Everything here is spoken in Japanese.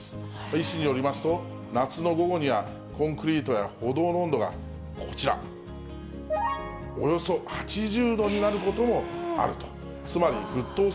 医師によりますと、夏の午後にはコンクリートや歩道の温度が、こちら、およそ８０度になることもあると。